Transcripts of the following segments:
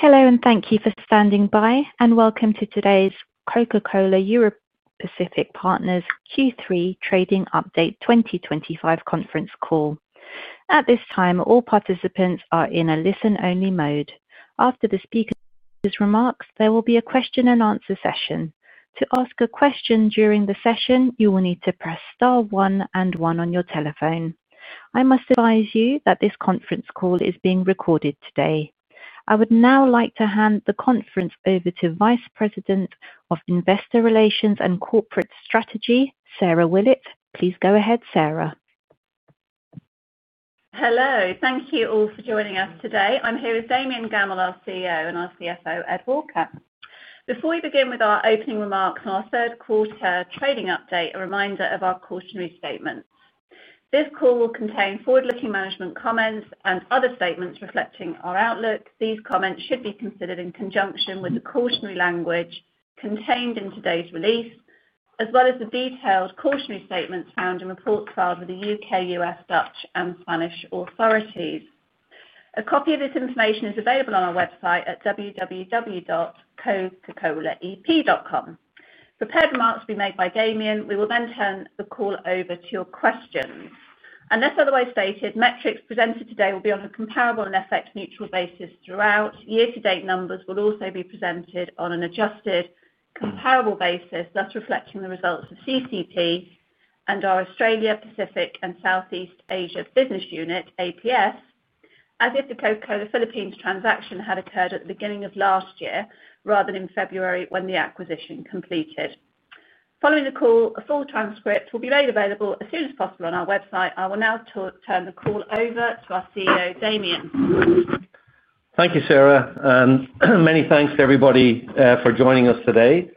Hello and thank you for standing by and welcome to today's Coca-Cola Europacific Partners Q3 trading update 2025 conference call. At this time all participants are in a listen only mode. After the speaker's remarks there will be a question and answer session. To ask a question during the session you will need to press star one and one on your telephone. I must advise you that this conference call is being recorded today. I would now like to hand the conference over to Vice President of Investor Relations and Corporate Strategy, Sarah Willett. Please go ahead, Sarah. Hello. Thank you all for joining us today. I'm here with Damian Gammell, our CEO, and our CFO Ed Walker. Before we begin with our opening remarks on our third quarter trading update, a reminder of our cautionary statements. This call will contain forward-looking management comments and other statements reflecting our outlook. The information in these comments should be considered in conjunction with the cautionary language contained in today's release as well as the detailed cautionary statements found in reports filed with the U.K., U.S., Dutch, and Spanish authorities. A copy of this information is available on our website at www.cocacolaep.com. Prepared remarks will be made by Damian. We will then turn the call over to your questions. Unless otherwise stated, metrics presented today will be on a comparable and FX neutral basis throughout year to date. Numbers will also be presented on an adjusted comparable basis, thus reflecting the results of CCEP and our Australia Pacific and Southeast Asia Business Unit, APAC, as if the Coca-Cola Philippines transaction had occurred at the beginning of last year rather than in February when the acquisition completed. Following the call, a full transcript will be made available as soon as possible on our website. I will now turn the call over to our CEO Damian. Thank you, Sarah, and many thanks to everybody for joining us today.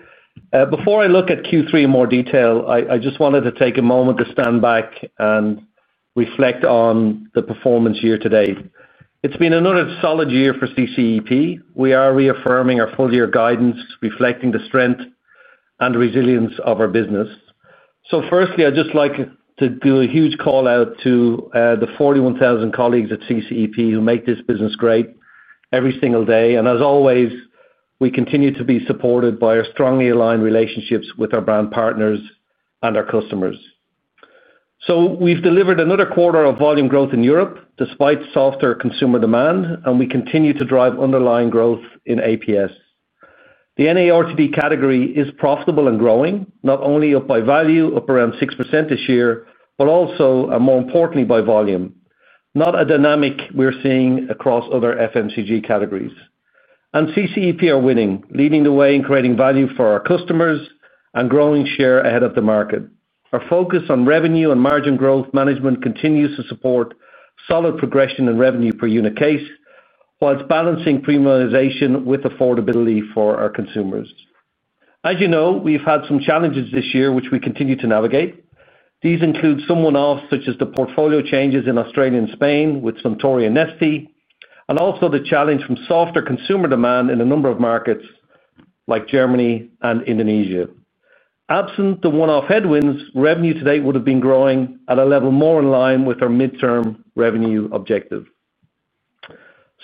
Before I look at Q3 in more detail, I just wanted to take a moment to stand back and reflect on the performance year to date. It's been another solid year for CCEP. We are reaffirming our full year guidance, reflecting the strength and resilience of our business. Firstly, I'd just like to do a huge call out to the 41,000 colleagues at CCEP who make this business great every single day, and as always, we continue to be supported by our strongly aligned relationships with our brand partners and our customers. We've delivered another quarter of volume growth in Europe despite softer consumer demand, and we continue to drive underlying growth in APAC. The NARTD category is profitable and growing not only up by value, up around 6% this year, but also more importantly by volume, not a dynamic we're seeing across other FMCG categories and CCEP are winning, leading the way in creating value for our customers and growing share ahead of the market. Our focus on revenue and margin growth management continues to support solid progression in revenue per unit case whilst balancing premiumization with affordability for our consumers. As you know we've had some challenges this year which we continue to navigate. These include some one offs such as the portfolio changes in Australia and Spain with Suntory and Nestlé and also the challenge from softer consumer demand in a number of markets like Germany and Indonesia. Absent the one off headwinds, revenue today would have been growing at a level more in line with our mid term revenue objective.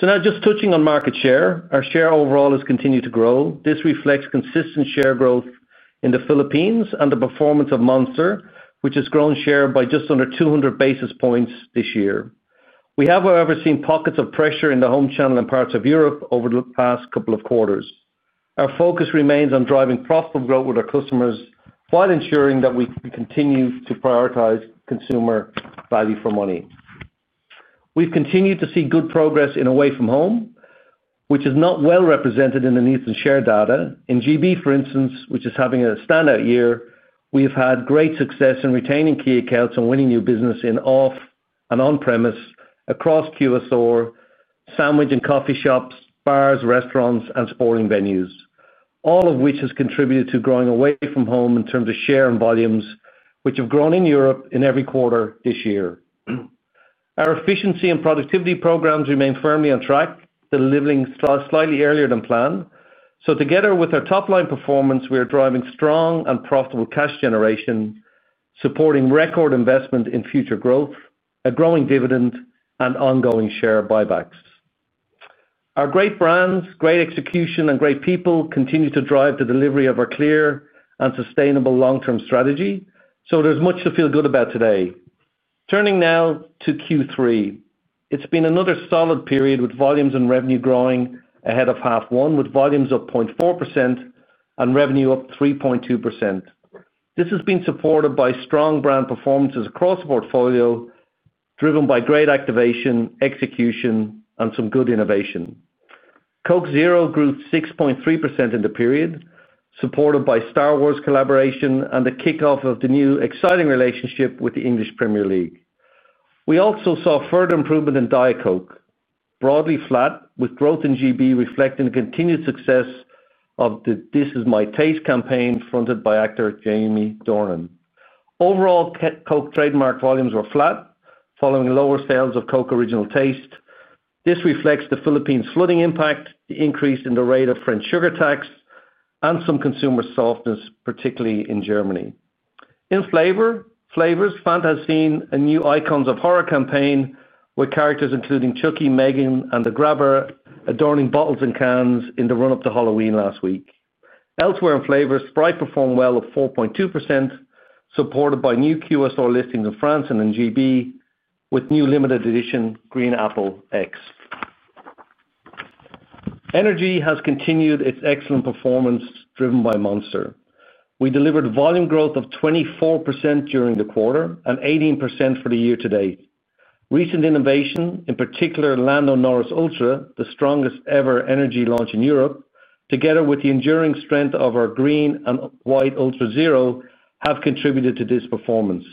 Now just touching on market share, our share overall has continued to grow. This reflects consistent share growth in the Philippines and the performance of Monster, which has grown share by just under 200 basis points this year. We have, however, seen pockets of pressure in the home channel and parts of Europe over the past couple of quarters. Our focus remains on driving profitable growth with our customers while ensuring that we continue to prioritize consumer value for money. We have continued to see good progress in Away From Home, which is not well represented in the news and share data. In GB, for instance, which is having a standout year. We have had great success in retaining key accounts and winning new business in off and on premise across QSR sandwich and coffee shops, bars, restaurants and sporting venues, all of which has contributed to growing away from home in terms of share and volumes which have grown in Europe in every quarter this year. Our efficiency and productivity programs remain firmly on track, delivering slightly earlier than planned. Together with our top line performance we are driving strong and profitable cash generation, supporting record investment in future growth, a growing dividend and ongoing share buybacks. Our great brands, great execution and great people continue to drive the delivery of our clear and sustainable long term strategy. There is much to feel good about today. Turning now to Q3, it's been another solid period with volumes and revenue growing ahead of half one with volumes up 0.4% and revenue up 3.2%. This has been supported by strong brand performances across the portfolio driven by great activation, execution, and some good innovation. Coke Zero grew 6.3% in the period supported by Star Wars collaboration and the kickoff of the new exciting relationship with the English Premier League. We also saw further improvement in Diet Coke, broadly flat with growth in GB reflecting the continued success of the This Is My Taste campaign fronted by actor Jamie Dornan. Overall Coke trademark volumes were flat following lower sales of Coke Original Taste. This reflects the Philippines flooding impact, the increase in the rate of French sugar tax, and some consumer softness, particularly in Germany. In flavors, Fanta has seen a new Icons of Horror campaign with characters including Chucky, Megan, and the Grabber adorning bottles and cans in the run up to Halloween last week. Elsewhere in flavor, Sprite performed well at 4.2% supported by new QSR listings in France and NGB with new limited edition Green Apple X. Energy has continued its excellent performance driven by Monster. We delivered volume growth of 24% during the quarter and 18% for the year to date. Recent innovation, in particular Lando Norris Ultra, the strongest ever Energy launch in Europe together with the enduring strength of our Green and White Ultra Zero, have contributed to this performance,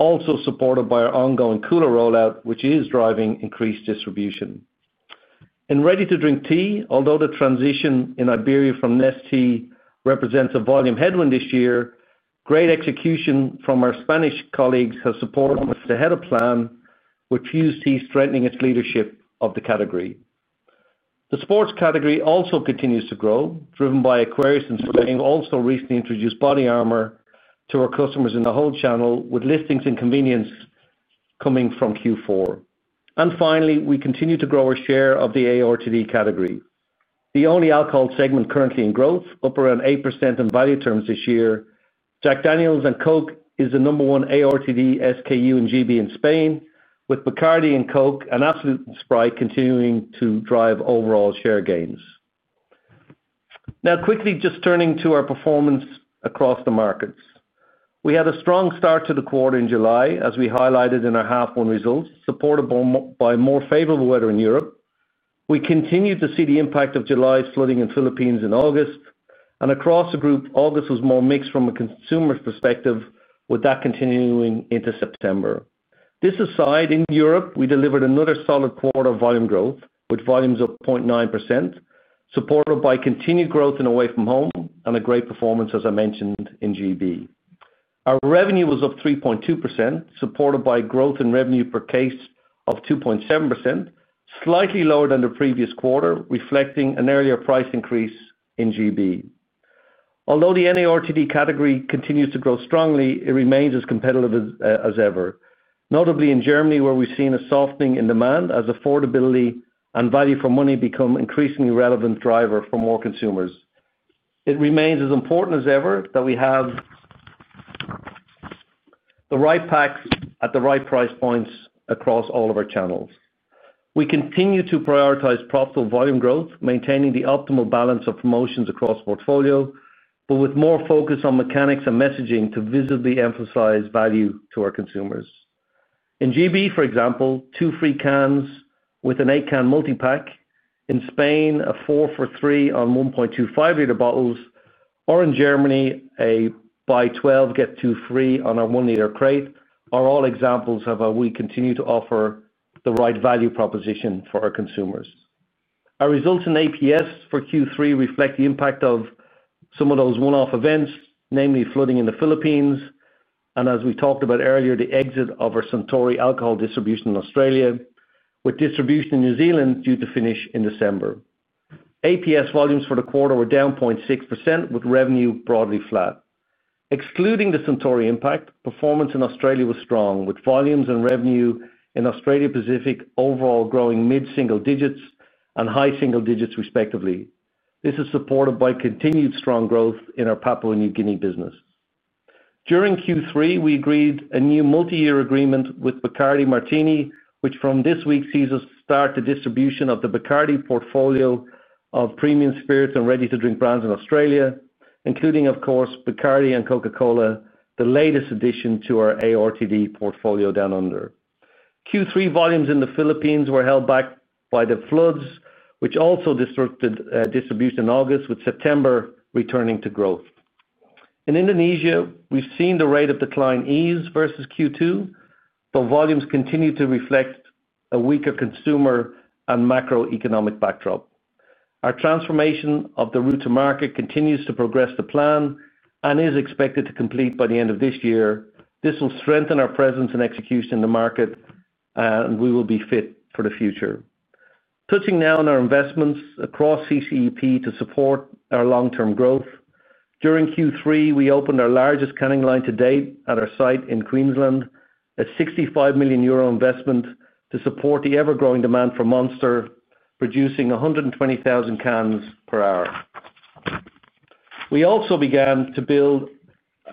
also supported by our ongoing Cooler rollout which is driving increased distribution in Ready to Drink Tea. Although the transition in Iberia from Nestlé Tea represents a volume headwind this year, great execution from our Spanish colleagues has supported us ahead of plan with Fuze Tea threatening its leadership of the category. The sports category also continues to grow driven by Aquarius and Powerade. Also recently introduced BODYARMOR to our customers in the whole channel with listings and convenience coming from Q4. Finally, we continue to grow our share of the ARTD category, the only alcohol segment currently in growth, up around 8% in value terms this year. Jack Daniel's and Coke is the number one ARTD SKU in GB and Spain, with Bacardi and Coke and [Bacardi] and Sprite continuing to drive overall share gains. Now quickly just turning to our performance across the markets, we had a strong start to the quarter in July as we highlighted in our half one results supported by more favorable weather. In Europe we continued to see the impact of July's flooding in Philippines in August and across the group August was more mixed from a consumer perspective with that continuing into September. This aside, in Europe we delivered another solid quarter of volume growth with volumes of 0.9% supported by continued growth in away from home and a great performance. As I mentioned in GB our revenue was up 3.2% supported by growth in revenue per case of 2.7%, slightly lower than the previous quarter reflecting an earlier price increase in GB. Although the NARTD category continues to grow strongly, it remains as competitive as ever, notably in Germany where we've seen a softening in demand as affordability and value for money become increasingly relevant drivers for more consumers. It remains as important as ever that we have the right packs at the right price points across all of our channels. We continue to prioritize profitable volume growth, maintaining the optimal balance of promotions across portfolio but with more focus on mechanics and messaging to visibly emphasize value to our consumers. In GB for example, two free cans with an eight can multipack, in Spain, a four for three on 1.25 L bottles, or in Germany a buy 12 get two free on our 1 L crate are all examples of how we continue to offer the right value proposition for our consumers. Our results in APS for Q3 reflect the impact of some of those one-off events, namely flooding in the Philippines and as we talked about earlier, the exit of our Suntory alcohol distribution in Australia with distribution in New Zealand due to finish in December. APS volumes for the quarter were down 0.6% with revenue broadly flat excluding the Suntory impact. Performance in Australia was strong with volumes and revenue in Australia Pacific overall growing mid single digits and high single digits respectively. This is supported by continued strong growth in our Papua New Guinea business. During Q3 we agreed a new multi-year agreement with Bacardi Martini with which from this week sees us start the distribution of the Bacardi portfolio of premium spirits and ready-to-drink brands in Australia including of course Bacardi and Coca-Cola. The latest addition to our ARTD portfolio Down Under, Q3 volumes in the Philippines were held back by the floods, which also disrupted distribution in August. With September returning to growth in Indonesia, we've seen the rate of decline ease versus Q2, though volumes continue to reflect a weaker consumer and macroeconomic backdrop. Our transformation of the route to market continues to progress to plan and is expected to complete by the end of this year. This will strengthen our presence and execution in the market, and we will be fit for the future. Touching now on our investments across CCEP to support our long-term growth, during Q3 we opened our largest canning line to date at our site in Queensland, a 65 million euro investment to support the ever-growing demand for Monster, producing 120,000 cans per hour. We also began to build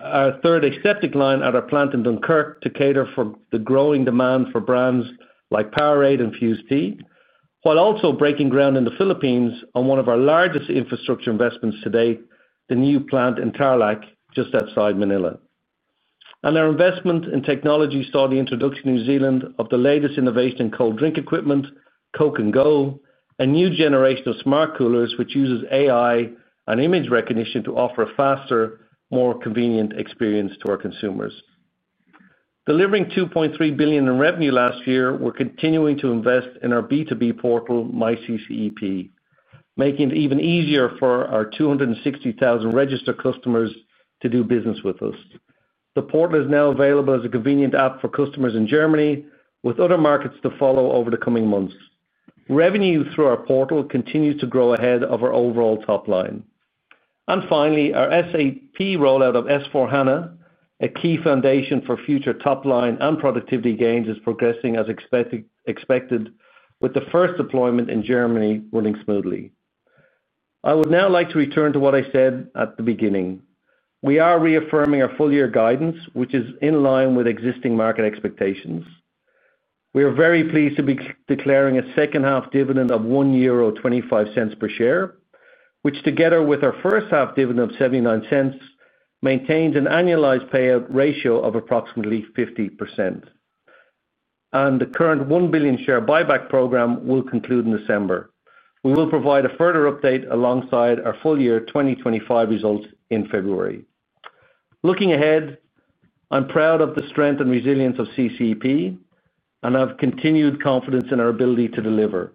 our third aseptic line at our plant in Dunkirk to cater for the growing demand for brands like Powerade and Fuze Tea while also breaking ground in the Philippines on one of our largest infrastructure investments to date, the new plant in Tarlac just outside Manila. Our investment in technology saw the introduction to New Zealand of the latest innovation in cold drink equipment, Coke and Go, a new generation of smart coolers which uses AI and image recognition to offer a faster, more convenient experience to our consumers. Delivering 2.3 billion in revenue last year, we're continuing to invest in our B2B portal MyCCEP, making it even easier for our 260,000 registered customers to do business with us. The portal is now available as a convenient app for customers in Germany, with other markets to follow over the coming months. Revenue through our portal continues to grow ahead of our overall top line and finally our SAP rollout of S/4HANA, a key foundation for future top line and productivity gains, is progressing as expected. With the first deployment in Germany running smoothly, I would now like to return to what I said at the beginning. We are reaffirming our full year guidance which is in line with existing market expectations. We are very pleased to be declaring a second half dividend of 1.25 euro per share which together with our first half dividend of 0.79 maintains an annualized payout ratio of approximately 50% and the current 1 billion share buyback program will conclude in December. We will provide a further update alongside our full year 2025 results in February. Looking ahead, I'm proud of the strength and resilience of CCEP and have continued confidence in our ability to deliver.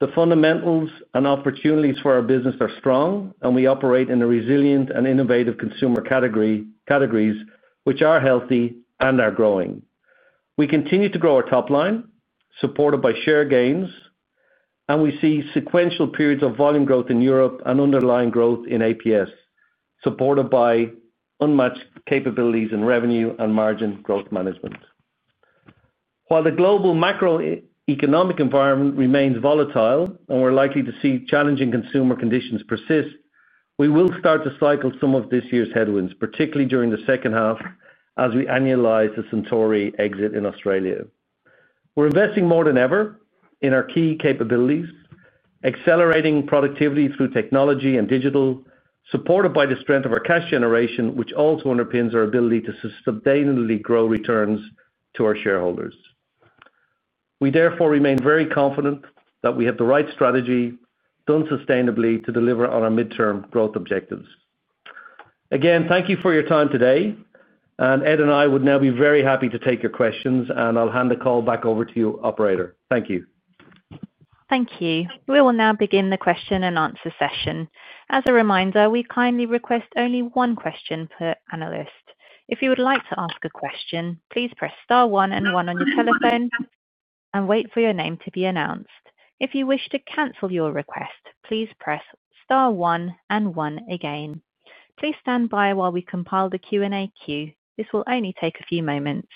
The fundamentals and opportunities for our business are strong and we operate in resilient and innovative consumer categories which are healthy and are growing. We continue to grow our top line supported by share gains and we see sequential periods of volume growth in Europe and underlying growth in APS supported by unmatched capabilities in revenue and margin growth management. While the global macroeconomic environment remains volatile and we're likely to see challenging consumer conditions persist, we will start to cycle some of this year's headwinds, particularly during the second half as we annualize the Suntory exit in Australia. We're investing more than ever in our key capabilities, accelerating productivity through technology and digital, supported by the strength of our cash generation which also underpins our ability to sustainably grow returns to our shareholders. We therefore remain very confident that we have the right strategy done sustainably to deliver on our mid term growth objectives. Again, thank you for your time today and Ed and I would now be very happy to take your questions and I'll hand the call back over to you. Operator. Thank you. Thank you. We will now begin the question and answer session. As a reminder, we kindly request only one question per analyst. If you would like to ask a question, please press star one and one on your telephone and wait for your name to be announced. If you wish to cancel your request, please press star one and one again. Please stand by while we compile the Q and A queue. This will only take a few moments.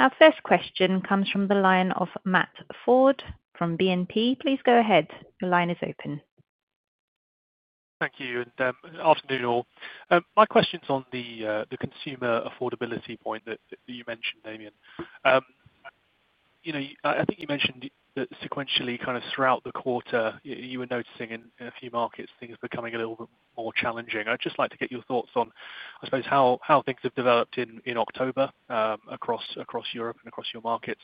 Our first question comes from the line of Matt Ford from BNP. Please go ahead. Your line is open. Thank you and afternoon all. My question's on the consumer affordability point that you mentioned. Damian, I think you mentioned that sequentially throughout the quarter you were noticing in a few markets things becoming a little more challenging. I'd just like to get your thoughts on I suppose how things have developed in October across Europe and across your markets.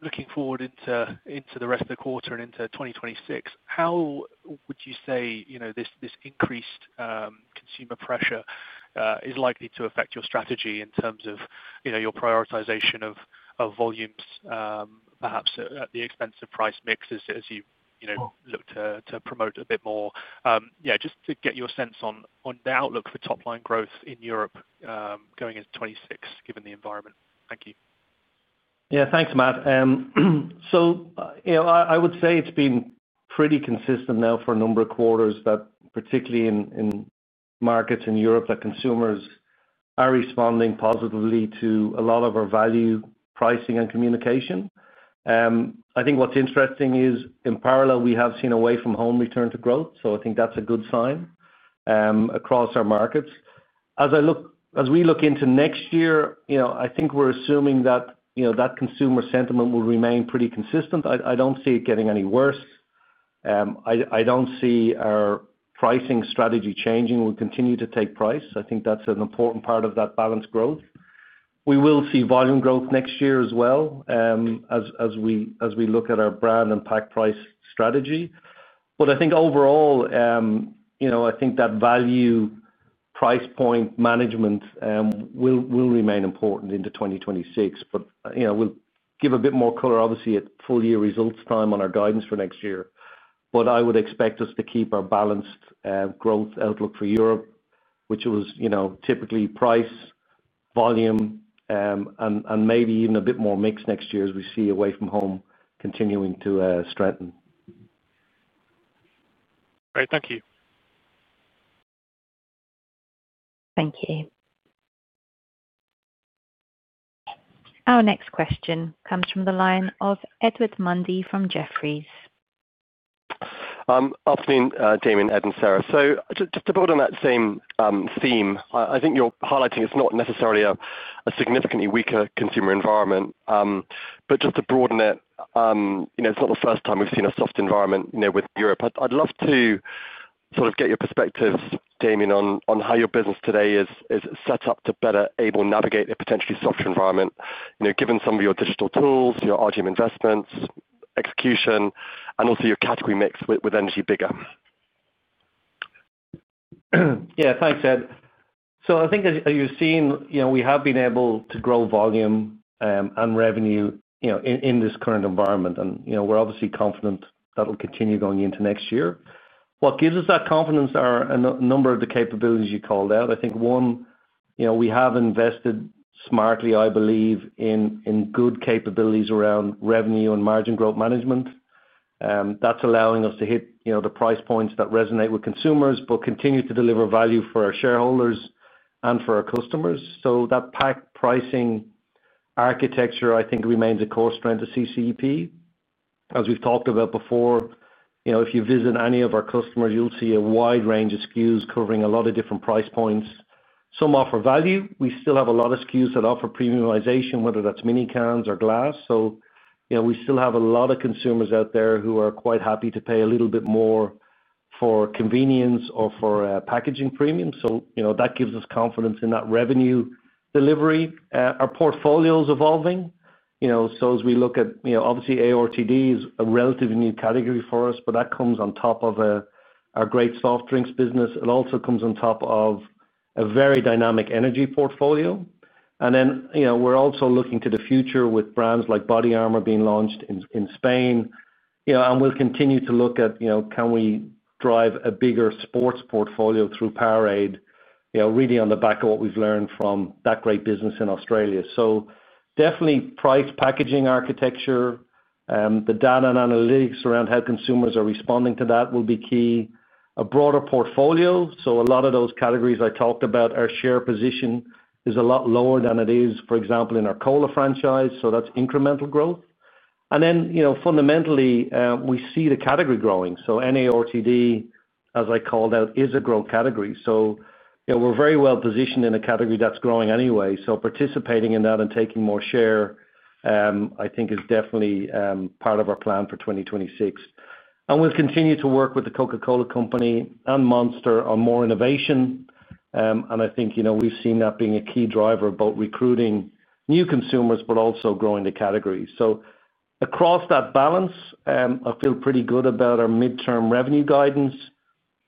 Looking forward into the rest of the quarter and into 2026, how would you say this increased consumer pressure is likely to affect your strategy in terms of your prioritization of volume? Perhaps at the expense of price mix as you look to promote a bit more. Yes. Just to get your sense on the outlook for top line growth in Europe going into 2026 given the environment. Yes. Thanks Matt. I would say it's been pretty consistent now for a number of quarters that particularly in markets in Europe that consumers are responding positively to a lot of our value pricing and communication. I think what's interesting is in parallel we have seen away from home return to growth. I think that's a good sign across our markets as we look into next year. I think we're assuming that that consumer sentiment will remain pretty consistent. I don't see it getting any worse. I don't see our pricing strategy changing. Will continue to take price. I think that's an important part of that balanced growth. We will see volume growth next year as well as we look at our brand impact price strategy. I think overall I think that value price point management will remain important into 2026, but we'll give a bit more color obviously at full year results time on our guidance for next year. I would expect us to keep our balanced growth outlook for Europe, which was typically price, volume, and maybe even a bit more mix next year as we see away from home continuing to strengthen. Great. Thank you. Thank you. Our next question comes from the line of Edward Mundy from Jefferies. Afternoon, Damian, Ed and Sarah. Just to build on that same theme, I think you're highlighting it's not necessarily a significantly weaker consumer environment, but just to broaden it, it's not the first time we've seen a soft environment with Europe. I'd love to sort of get your perspectives, Damian, on how your business today is set up to better able navigate a potentially softer environment given some of your digital tools, your RGM investments, execution, and also your category mix with energy bigger. Yes, thanks, Ed. I think as you've seen, we have been able to grow volume and revenue in this current environment. We're obviously confident that will continue going into next year. What gives us that confidence are a number of the capabilities you called out. I think, one, we have invested smartly, I believe, in good capabilities around revenue and margin growth management. That's allowing us to hit the price points that resonate with consumers but continue to deliver value for our shareholders and for our customers. That PAC pricing architecture I think remains a core strength of CCEP. As we've talked about before, if you visit any of our customers, you'll see a wide range of SKUs covering a lot of different price points. Some offer value. We still have a lot of SKUs that offer premiumization, whether that's mini cans or glass. We still have a lot of consumers out there who are quite happy to pay a little bit more for convenience or for packaging premium. That gives us confidence in that revenue delivery. Our portfolio is evolving. As we look at obviously ARTD is a relatively new category for us, but that comes on top of our great soft drinks business. It also comes on top of a very dynamic energy portfolio. Then we're also looking to the future with brands like BODYARMOR being launched in Spain. We'll continue to look at can we drive a bigger sports portfolio through Powerade, really on the back of what we've learned from that great business in Australia. Definitely price, packaging architecture, the data and analytics around how consumers are responding to that will be key. A broader portfolio. A lot of those categories I talked about, our share position is a lot lower than it is for example in our cola franchise. That's incremental growth. Fundamentally we see the category growing. NARTD, as I called out, is a growth category. We're very well positioned in a category that's growing anyway. Participating in that and taking more share I think is definitely part of our plan for 2026. We'll continue to work with The Coca-Cola Company and Monster on more innovation. I think we've seen that being a key driver, both recruiting new consumers, but also growing the categories. Across that balance, I feel pretty good about our midterm revenue guidance.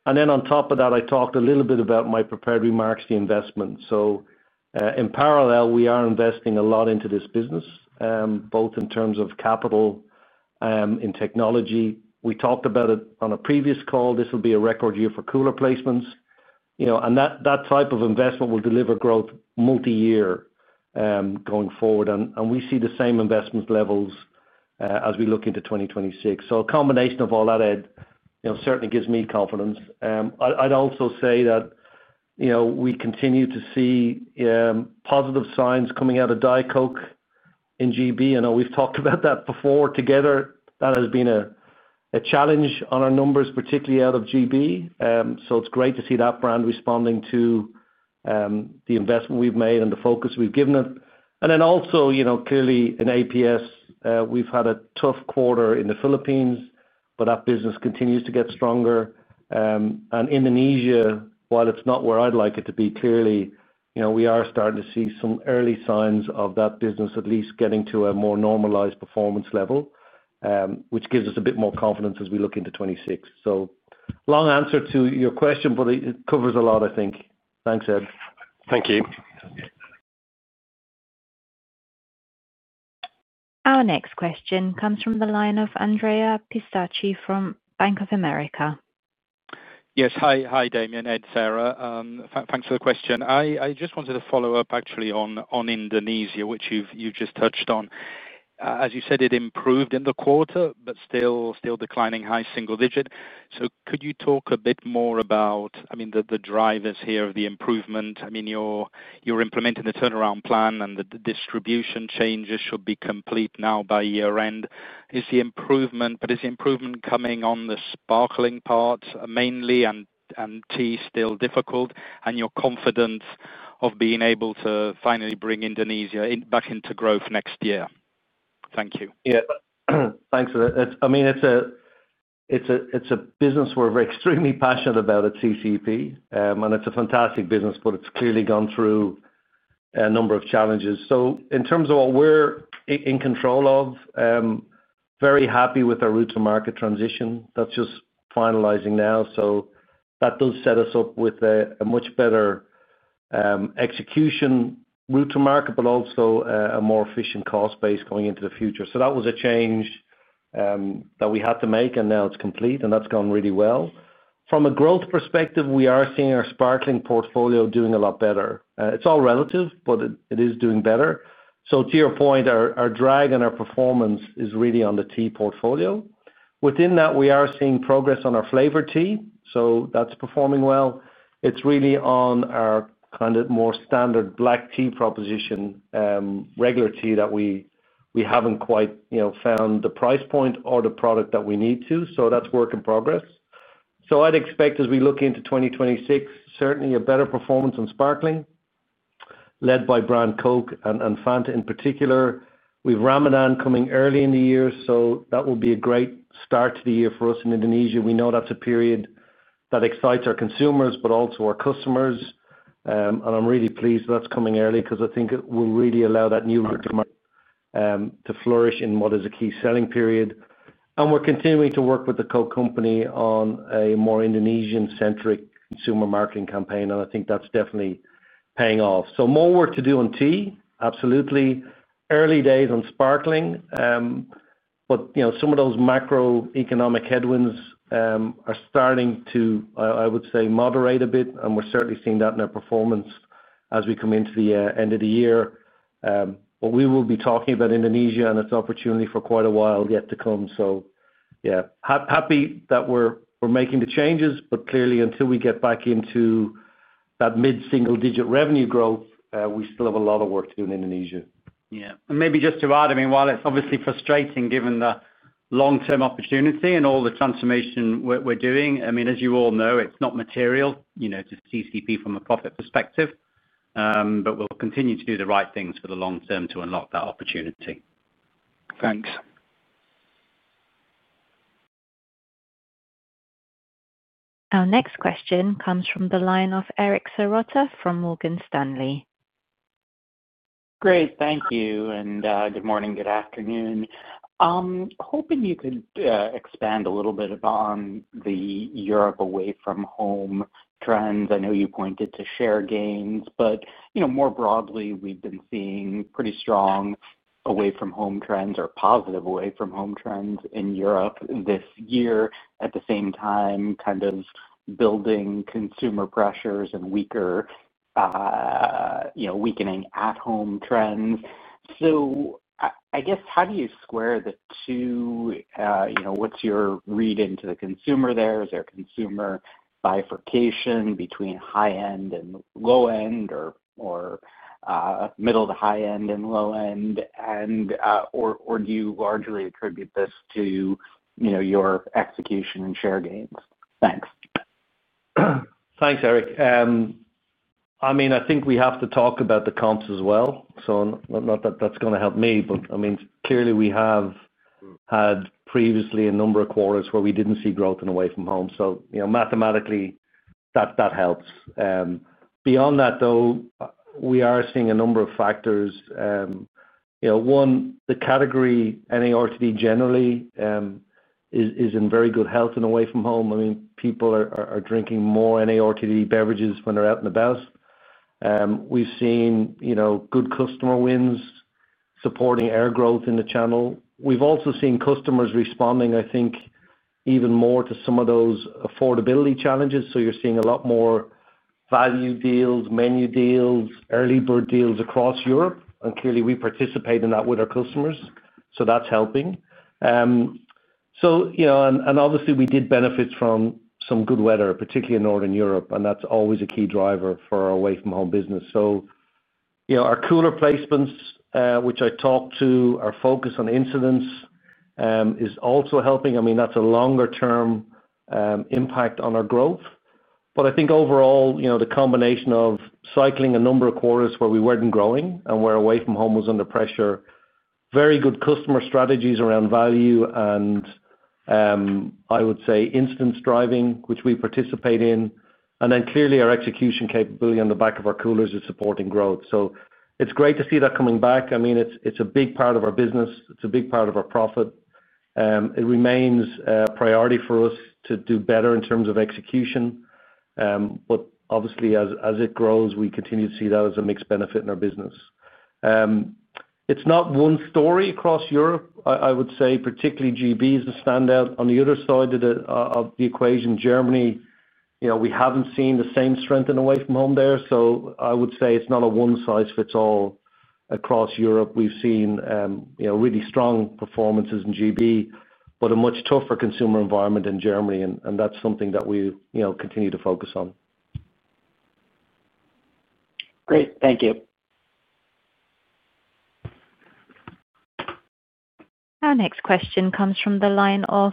On top of that, I talked a little bit about in my prepared remarks, the investment. In parallel, we are investing a lot into this business both in terms of capital and technology. We talked about it on a previous call. This will be a record year for cooler placements and that type of investment will deliver growth multiyear going forward. We see the same investment levels as we look into 2026. A combination of all that, Ed, certainly gives me confidence. I'd also say that we continue to see positive signs coming out of Diet Coke in GB. I know we've talked about that before together. That has been a challenge on our numbers, particularly out of GB. It is great to see that brand responding to the investment we've made and the focus we've given it. Also, clearly in APS, we've had a tough quarter in the Philippines, but that business continues to get stronger. Indonesia, while it's not where I'd like it to be, clearly we are starting to see some early signs of that business at least getting to a more normalized performance level, which gives us a bit more confidence as we look into 2026. Long answer to your question, but it covers a lot, I think. Thanks, Ed. Thank you. Our next question comes from the line of Andrea Pistacchi from Bank of America. Yes. Hi, Damian, Ed, Sarah, thanks for the question. I just wanted to follow up actually on Indonesia, which you've just touched on. As you said, it improved in the quarter but still declining high single digit. Could you talk a bit more about, I mean, the drivers here of the improvement? I mean, you're implementing the turnaround plan and the distribution changes should be complete now by year end. Is the improvement coming on the sparkling part mainly and tea still difficult, and your confidence of being able to finally bring Indonesia back into growth next year? Thank you. Yes, thanks. I mean, it's a business we're extremely passionate about at CCEP and it's a fantastic business, but it's clearly gone through a number of challenges. In terms of what we're in control of, very happy with our route to market transition that's just finalizing now. That does set us up with a much better execution route to market, but also a more efficient cost base going into the future. That was a change that we had to make and now it's complete and that's gone really well from a growth perspective. We are seeing our sparkling portfolio doing a lot better. It's all relative, but it is doing better. To your point, our drag and our performance is really on the tea portfolio. Within that, we are seeing progress on our flavor tea. That's performing well. It's really on our kind of more standard black tea proposition, regular tea, that we haven't quite found the price point or the product that we need to. That's work in progress. I'd expect as we look into 2026, certainly a better performance on Sparkling led by brand Coke and Fanta in particular. We have Ramadan coming early in the year. That will be a great start to the year for us in Indonesia. We know that's a period that excites our consumers but also our customers. I'm really pleased that's coming early because I think it will really allow that new to flourish in what is a key selling period. We're continuing to work with the Coke company on a more Indonesian-centric consumer marketing campaign and I think that's definitely paying off. More work to do on tea, absolutely. Early days on Sparkling. Some of those macroeconomic headwinds are starting to, I would say, moderate a bit and we're certainly seeing that in our performance as we come into the end of the year. We will be talking about Indonesia and its opportunity for quite a while yet to come. Yeah, happy that we're making the changes. Clearly until we get back into that mid single digit revenue growth, we still have a lot of work to do in Indonesia. Yes. Maybe just to add, I mean while it's obviously frustrating given the long term opportunity and all the transformation we're doing, I mean as you all know it's not material to CCEP from a profit perspective, but we'll continue to do the right things for the long term to unlock that opportunity. Thanks. Our next question comes from the line of Eric Serotta from Morgan Stanley. Great, thank you and good morning. Good afternoon. Hoping you could expand a little bit on the Europe away from home trends. I know you pointed to share gains but, you know, more broadly we've been seeing pretty strong away from home trends or positive away from home trends in Europe this year. At the same time, kind of building consumer pressures and weaker, you know, weakening at home trends. I guess how do you square the two, you know, what's your read into the consumer there? Is there consumer bifurcation between high end and low end or middle to high end and low end? Or do you largely attribute this to, you know, your execution and share gains? Thanks. Thanks, Eric. I mean, I think we have to talk about the comps as well. Not that that's going to help me, but I mean clearly we have had previously a number of quarters where we did not see growth in away from home. Mathematically that helps. Beyond that though, we are seeing a number of factors. One, the category NARTD generally is in very good health in away from home. I mean people are drinking more NARTD beverages when they are out and about. We have seen good customer wins supporting our growth in the channel. We have also seen customers responding, I think, even more to some of those affordability challenges. You are seeing a lot more value deals, menu deals, early bird deals across Europe and clearly we participate in that with our customers, so that is helping. Obviously we did benefit from some good weather, particularly in Northern Europe, and that is always a key driver for our away from home business. Our cooler placements, which I talked to, our focus on incidents is also helping. I mean that's a longer term impact on our growth. I think overall the combination of cycling a number of quarters where we were not growing and where away from home was under pressure, very good customer strategies around value, and I would say instance driving, which we participate in, and then clearly our execution capability on the back of our coolers is supporting growth. It's great to see that coming back. I mean it's a big part of our business, it's a big part of our profit. It remains a priority for us to do better in terms of execution, but obviously as it grows we continue to see that as a mixed benefit in our business. It's not one story across Europe. I would say particularly GB is a standout. On the other side of the equation, Germany, we haven't seen the same strength in away from home there. I would say it's not a one size fits all. Across Europe we've seen really strong performances in GB but a much tougher consumer environment in Germany, and that's something that we continue to focus on. Great, thank you. Our next question comes from the line of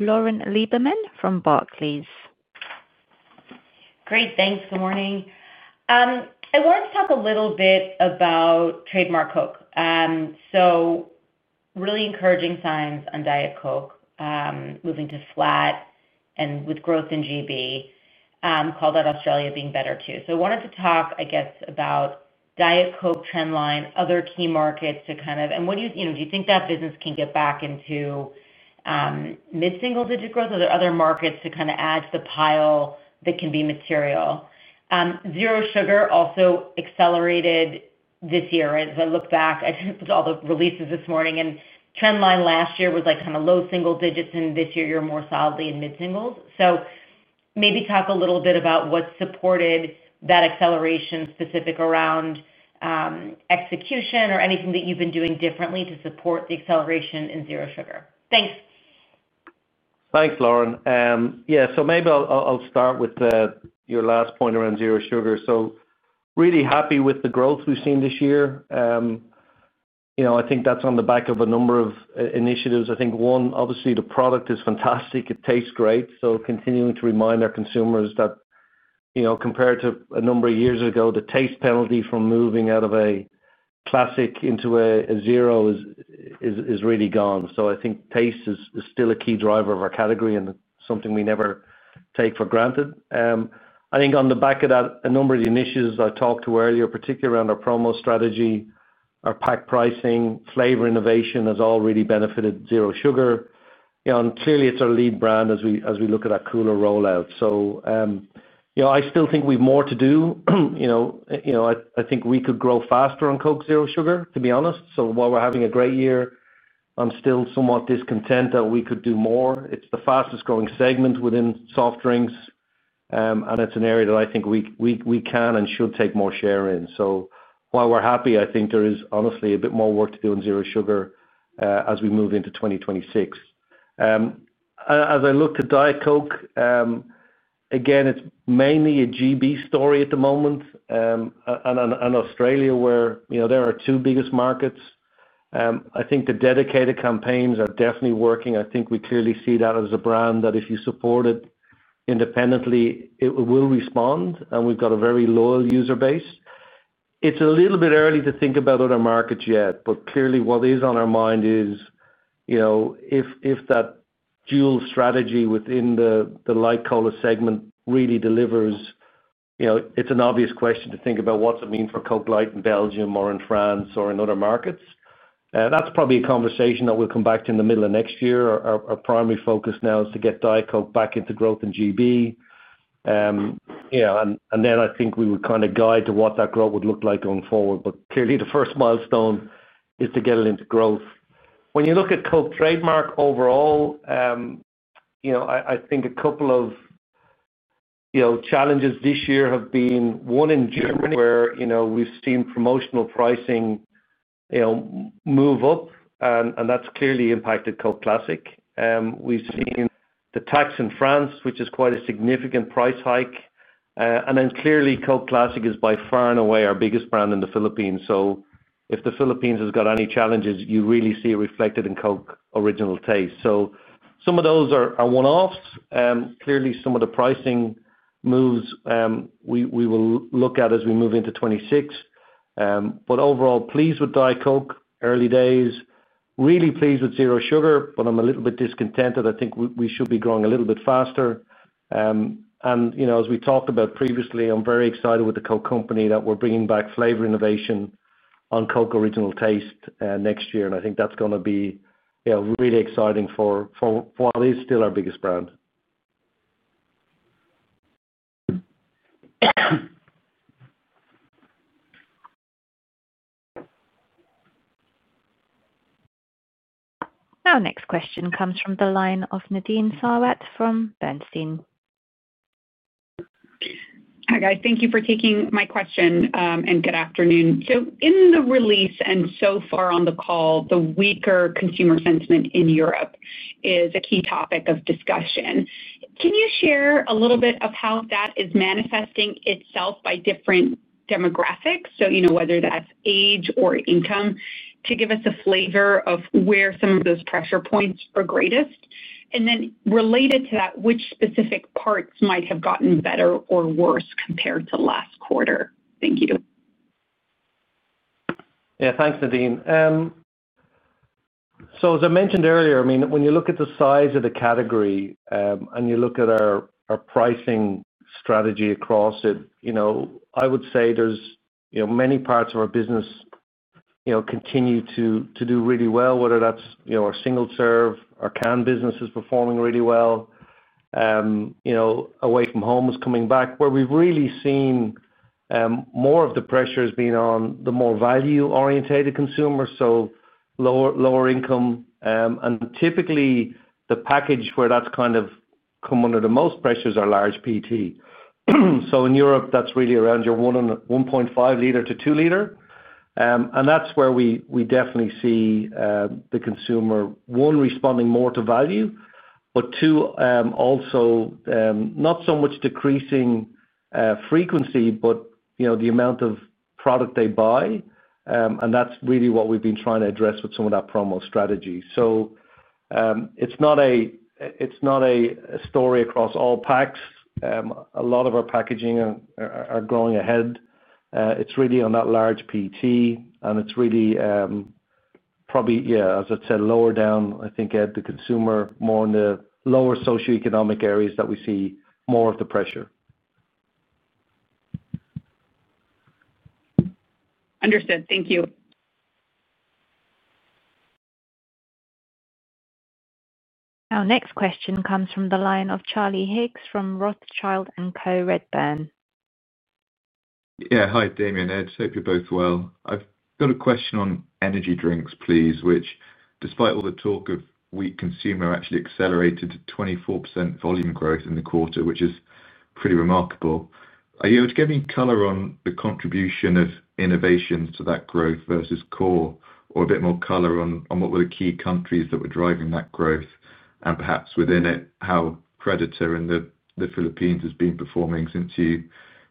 Lauren Lieberman from Barclays. Great, thanks. Good morning. I wanted to talk a little bit about trademark Coke. Really encouraging signs on Diet Coke moving to flat and with growth in GB called out, Australia being better too. I wanted to talk, I guess, about Diet Coke, trend line, other key markets. Do you think that business can get back into mid single digit growth? Are there other markets to add to the pile that can be material? Zero sugar also accelerated this year. As I look back, I saw all the releases this morning and trend line last year was low single digits and this year you are more solidly in mid singles. So. Maybe talk a little bit about what supported that acceleration specific around execution or anything that you've been doing differently to support the acceleration in zero sugar. Thanks. Thanks Lauren. Yeah, so maybe I'll start with your last point around Zero Sugar. Really happy with the growth we've seen this year. I think that's on the back of a number of initiatives. I think one, obviously the product is fantastic, it tastes great. Continuing to remind our consumers that compared to a number of years ago, the taste penalty for moving out of a classic into a zero is really gone. I think taste is still a key driver of our category and something we never take for granted. On the back of that, a number of the initiatives I talked to earlier, particularly around our promo strategy, our pack pricing, flavor innovation has already benefited Zero Sugar. Clearly it's our lead brand as we look at that cooler rollout. I still think we've more to do. I think we could grow faster on Coke Zero Sugar to be honest. While we're having a great year, I'm still somewhat discontent that we could do more. It's the fastest growing segment within soft drinks and it's an area that I think we can and should take more share in. While we're happy, I think there is honestly a bit more work to do on Zero Sugar as we move into 2026. As I look to Diet Coke again, it's mainly a GB story at the moment and Australia where our two biggest markets are, I think the dedicated campaigns are definitely working. I think we clearly see that as a brand that if you support it independently it will respond and we've got a very loyal user base. It's a little bit early to think about other markets yet, but clearly what is on our mind is if that dual strategy within the Lycola segment really delivers. It's an obvious question to think about what's it mean for Coke Light in Belgium or in France or in other markets? That's probably a conversation that we'll come back to in the middle of next year. Our primary focus now is to get Diet Coke back into growth in GB and then I think we would kind of guide to what that growth would look like going forward. Clearly the first milestone is to get it into growth. When you look at Coke Trademark overall, I think a couple of challenges this year have been one in Germany where we've seen promotional pricing move up and that's clearly impacted Coke Classic. We've seen the tax in France, which is quite a significant price hike, and then clearly Coke Classic is by far and away our biggest brand in the Philippines. If the Philippines has got any challenges, you really see it reflected in Coke Original Taste. Some of those are one offs. Clearly, some of the pricing moves we will look at as we move into 2026. Overall, pleased with Diet Coke, early days, really pleased with Zero Sugar, but I'm a little bit discontented. I think we should be growing a little bit faster. As we talked about previously, I'm very excited with The Coca-Cola Company that we're bringing back flavor innovation on Coke Original Taste next year, and I think that's going to be really exciting for what is still our biggest brand. Our next question comes from the line of Nadine Sarwat from Bernstein. Hi guys, thank you for taking my question and good afternoon. In the release and so far on the call, the weaker consumer sentiment in Europe is a key topic of discussion. Can you share a little bit of how that is manifesting itself by different demographics, so you know, whether that is age or income, to give us a flavor of where some of those pressure points are greatest, and then related to that, which specific parts might have gotten better or worse compared to last quarter. Thank you. Yeah, thanks, Nadine. As I mentioned earlier, I mean when you look at the size of the category and you look at our pricing strategy across it, I would say many parts of our business continue to do really well. Whether that's our single serve, our can businesses performing really well, away from home is coming back. Where we've really seen more of the pressure has been on the more value orientated consumers. Lower income and typically the package where that's kind of come under the most pressure is our large PT. In Europe that's really around your 1.5 L to 2 L. That's where we definitely see the consumer, one, responding more to value, but two, also not so much decreasing frequency but the amount of product they buy. That is really what we have been trying to address with some of that promo strategy. It is not a story across all packs. A lot of our packaging are growing ahead. It is really on that large PT and it is really probably, as I said, lower down, I think at the consumer more in the lower socioeconomic areas that we see more of the pressure. Understood, thank you. Our next question comes from the line of Charlie Higgs from Rothschild & Co Redburn. Yeah. Hi Damian, Ed, hope you're both well. I've got a question on energy drinks please. Which despite all the talk of weak consumer actually accelerated 24% volume growth in the quarter, which is pretty remarkable. Are you able to give any color on the contribution of innovations to that growth? Versus core or a bit more color on what were the key countries that were driving that growth and perhaps within it how Monster in the Philippines has been performing since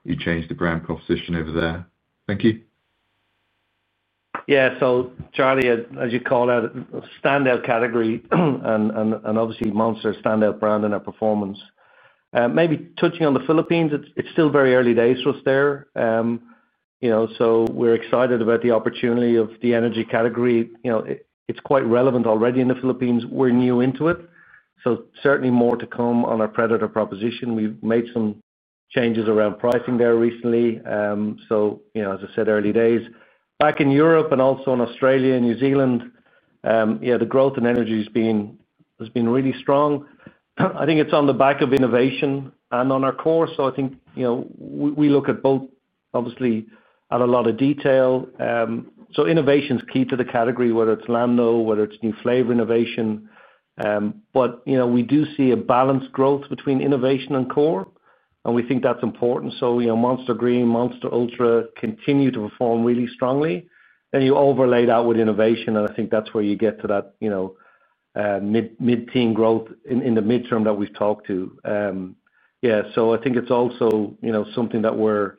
you changed the brand proposition over there. Thank you. Yeah. So Charlie, as you call out standout category and obviously Monster standout brand in our performance maybe touching on the Philippines. It's still very early days for us there. So we're excited about the opportunity of the energy category. It's quite relevant already in the Philippines. We're new into it, so certainly more to come on our Predator proposition. We've made some changes around pricing there recently. As I said, early days back in Europe and also in Australia and New Zealand, the growth in energy has been really strong. I think it's on the back of innovation and on our core. I think we look at both obviously at a lot of detail. Innovation is key to the category, whether it's Lando, whether it's new flavor innovation. We do see a balanced growth between innovation and core and we think that's important. Monster Green, Monster Ultra continue to perform really strongly. You overlay that with innovation and I think that's where you get to that mid-teen growth in the midterm that we've talked to. Yes. I think it's also something that we're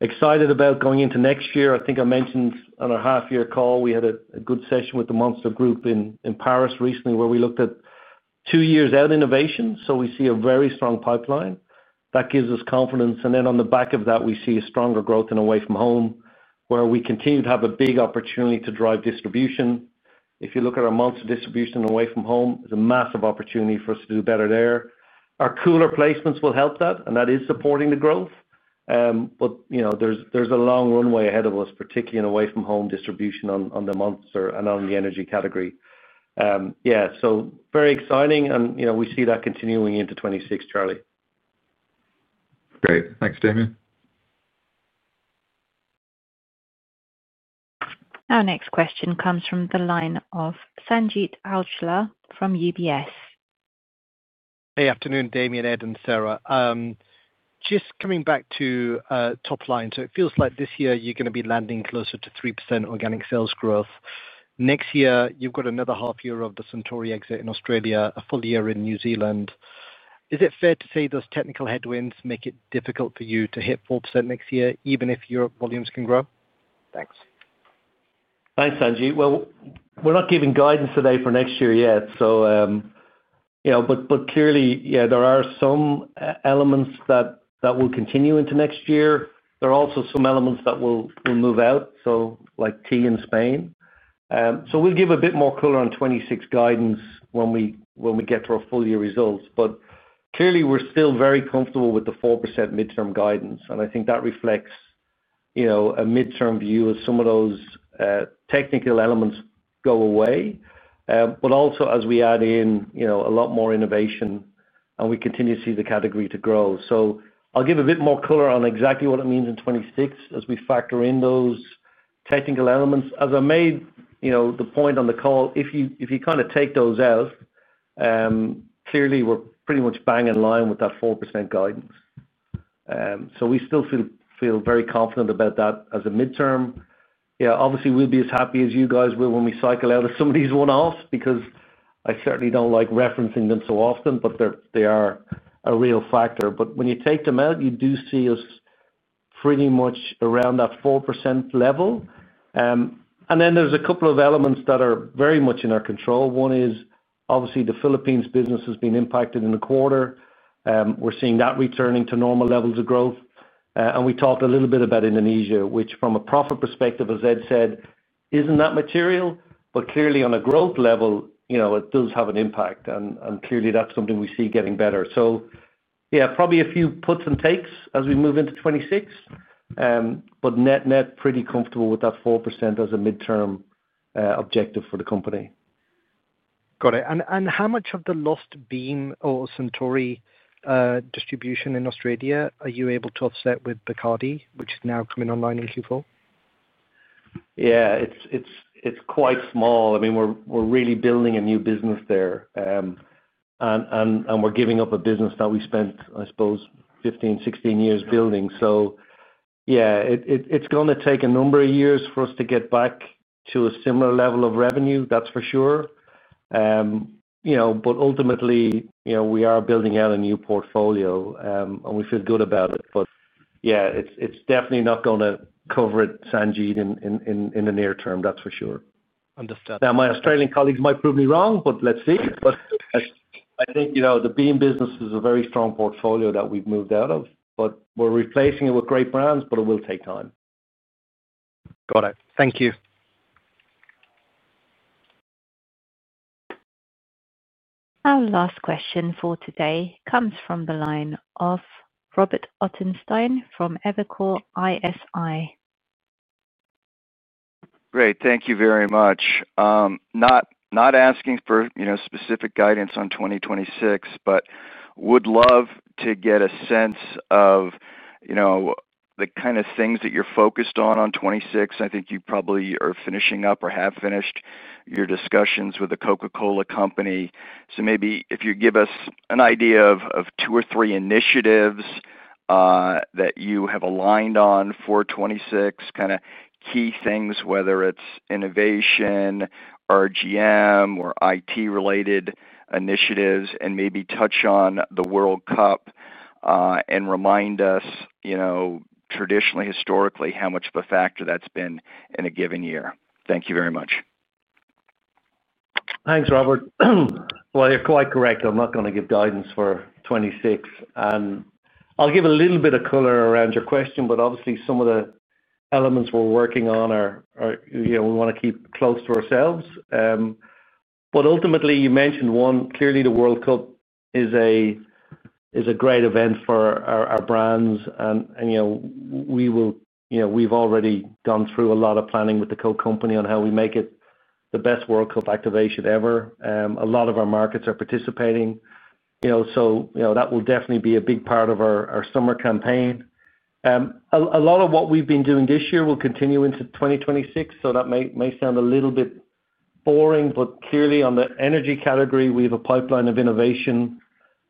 excited about going into next year. I think I mentioned on our half year call, we had a good session with the Monster group in Paris recently where we looked at two years out innovation. We see a very strong pipeline that gives us confidence. On the back of that we see a stronger growth in Away from Home where we continue to have a big opportunity to drive distribution. If you look at our Monster distribution away from home, there's a massive opportunity for us to do better. Our cooler placements will help that and that is supporting the growth. There is a long runway ahead of us, particularly in Away from Home distribution on the Monster and on the Energy category. Yeah. Very exciting and we see that continuing into 2026, Charlie. Great. Thanks, Damian. Our next question comes from the line of Sanjeet Aujla from UBS. Hey, afternoon, Damian, Ed and Sarah. Just coming back to top line. So it feels like this year you're going to be landing closer to 3% organic sales growth. Next year you've got another half year of the Suntory exit in Australia, a full year in New Zealand. Is it fair to say those technical headwinds make it difficult for you to hit 4% next year? Even if Europe Volumes can grow. Thanks. Thanks, Sanjeet. We are not giving guidance today for next year yet, but clearly there are some elements that will continue into next year. There are also some elements that will move out like tea in Spain. We will give a bit more color on 2026 guidance when we get to our full year results. Clearly we're still very comfortable with the 4% midterm guidance and I think that reflects a midterm view as some of those technical elements go away, but also as we add in a lot more innovation and we continue to see the category to grow. I'll give a bit more color on exactly what it means in 2026 as we factor in those technical elements. As I made the point on the call, if you kind of take those out, clearly we're pretty much bang in line with that 4% guidance. We still feel very confident about that as a midterm. Obviously we'll be as happy as you guys will when we cycle out of some of these one offs because I certainly don't like referencing them so often, but they are a real factor. When you take them out, you do see us pretty much around that 4% level. There are a couple of elements that are very much in our control. One is obviously the Philippines business has been impacted in the quarter. We are seeing that returning to normal levels of growth. We talked a little bit about Indonesia, which from a profit perspective, as Ed said, is not that material. Clearly on a growth level it does have an impact and that is something we see getting better. Yes, probably a few puts and takes as we move into 2026, but net net pretty comfortable with that 4% as a midterm objective for the company. Got it. How much of the lost Beam or Suntory distribution in Australia are you able to offset with Bacardi, which is now coming online in Q4? Yeah, it is quite small. I mean, we're really building a new business there and we're giving up a business that we spent, I suppose, 15, 16 years building. Yeah, it's going to take a number of years for us to get back to a similar level of revenue, that's for sure. Ultimately, we are building out a new portfolio and we feel good about it. Yeah, it's definitely not going to cover it, Sanjeet, in the near term, that's for sure. My Australian colleagues might prove me wrong, but let's see. I think the Beam business is a very strong portfolio that we've moved out of, but we're replacing it with great brands. It will take time. Got it. Thank you. Our last question for today comes from the line of Robert Ottenstein from Evercore ISI. Great, thank you very much. Not asking for specific guidance on 2026, but would love to get a sense of the kind of things that you're focused on in 2026. I think you probably are finishing up or have finished your discussions with The Coca-Cola Company. Maybe if you give us an idea of two or three initiatives that you have aligned on for 2026, kind of key things, whether it's innovation, RGM, or IT-related initiatives, and maybe touch on the World Cup and remind us traditionally, historically, how much of a factor that's been in a given year. Thank you very much. Thanks, Robert. You're quite correct. I'm not going to give guidance for 2026 and I'll give a little bit of color around your question, but obviously some of the elements we're working on are things we want to keep close to ourselves. Ultimately you mentioned one. Clearly the World Cup is a great event for our brands and we've already gone through a lot of planning with The Coca-Cola Company on how we make it the best World Cup activation ever. A lot of our markets are participating, so that will definitely be a big part of our summer campaign. A lot of what we've been doing this year will continue into 2026. That may sound a little bit boring, but clearly on the energy category, we have a pipeline of innovation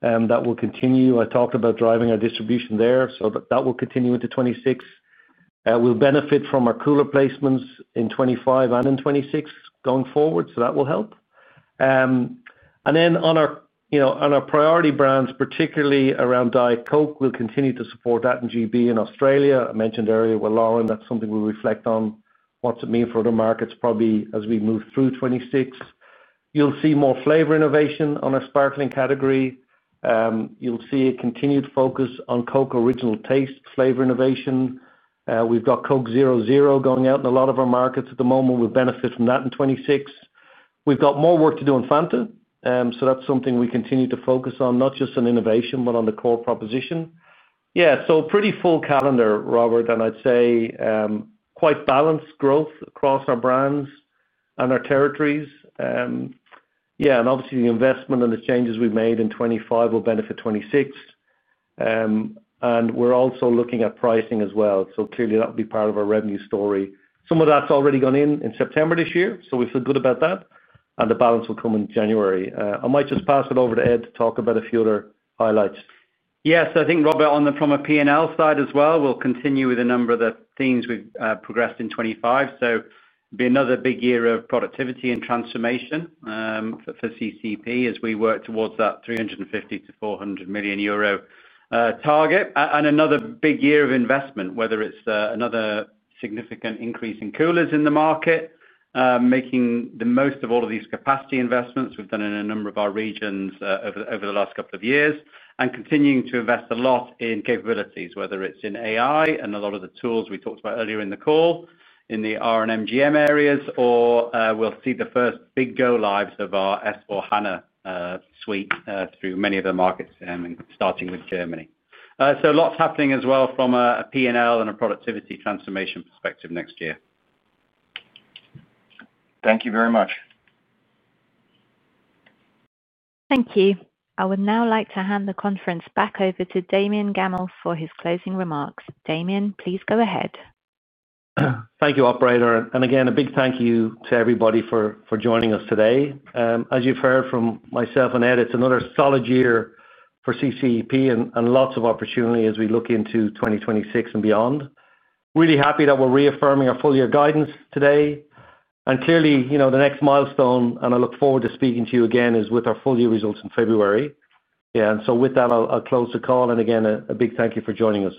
that will continue. I talked about driving our distribution there, so that will continue into 2026. We'll benefit from our cooler placements in 2025 and in 2026 going forward, so that will help. On our priority brands, particularly around Diet Coke, we'll continue to support that. GB in Australia, I mentioned earlier with Lauren, that's something we reflect on. What's it mean for the markets? Probably as we move through 2026, you'll see more flavor innovation. On a sparkling category, you'll see a continued focus on Coke original taste, flavor innovation. We've got Coke Zero going out in a lot of our markets at the moment. We'll benefit from that in 2026. We've got more work to do in Fanta, so that's something we continue to focus on, not just on innovation, but on the core proposition. Yes. So pretty full calendar, Robert, and I'd say quite balanced growth across our brands and our territories. Yes. Obviously the investment and the changes we've made in 2025 will benefit 2026 and we're also looking at pricing as well. Clearly that will be part of our revenue story. Some of that has already gone in in September this year, so we feel good about that. The balance will come in January. I might just pass it over to Ed to talk about a few other highlights. Yes, I think, Robert, from a P&L side as well, we will continue with a number of the themes we have progressed in 2025. will be another big year of productivity and transformation for CCEP as we work towards that 350 million-400 million euro target and another big year of investment, whether it's another significant increase in coolers in the market, making the most of all of these capacity investments we've done in a number of our regions over the last couple of years and continuing to invest a lot in capabilities, whether it's in AI and a lot of the tools we talked about earlier in the call in the RGM and MGM areas or we'll see the first big go-lives of our S/4HANA suite through many of the markets starting with Germany. Lots happening as well from a P&L and a productivity transformation perspective next year. Thank you very much. Thank you. I would now like to hand the conference back over to Damian Gammell for his closing remarks. Damian, please go ahead. Thank you, operator. Again, a big thank you to everybody for joining us today. As you've heard from myself and Ed, it's another solid year for CCEP and lots of opportunity as we look into 2026 and beyond. Really happy that we're reaffirming our full year guidance today and clearly the next milestone I look forward to speaking to you again is with our full year results in February. With that, I'll close the call. Again, a big thank you for joining us.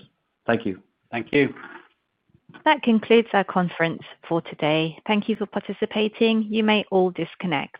Thank you. Thank you. That concludes our conference for today. Thank you for participating. You may all disconnect.